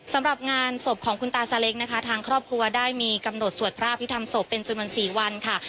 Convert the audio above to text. สำหรับงานศพของคุณตาซาเล้งนะคะทางครอบครัวได้มีกำหนดสวดพระอภิษฐรรศพเป็นจำนวน๔วันค่ะ